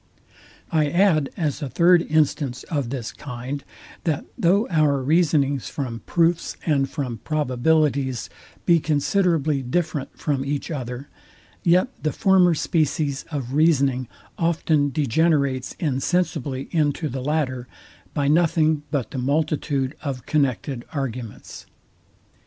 I add, as a third instance of this kind, that though our reasonings from proofs and from probabilities be considerably different from each other, yet the former species of reasoning often degenerates insensibly into the latter, by nothing but the multitude of connected arguments.